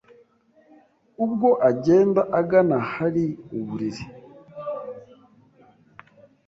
Ubwo agenda agana ahari uburiri